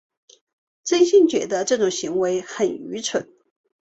真心觉得这种行为很愚蠢